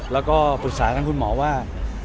และฝากคุณหมอว่า